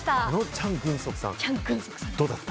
チャン・グンソクさん、どうだった？